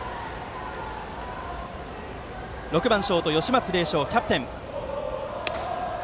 打席は６番、ショートの吉松礼翔キャプテン。